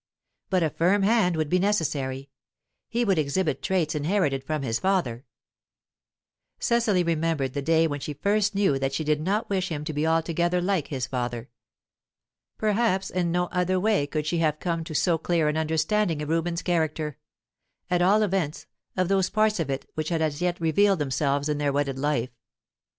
But a firm hand would be necessary; he would exhibit traits inherited from his father Cecily remembered the day when she first knew that she did not wish him to be altogether like his father. Perhaps in no other way could she have come to so clear an understanding of Reuben's character at all events, of those parts of it which had as yet revealed themselves in their wedded life.